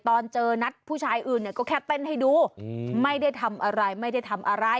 ตอนเจอนัดผู้ชายอื่นเนี่ยก็แค่เต้นให้ดูไม่ได้ทำอะไรไม่ได้ทำอะไร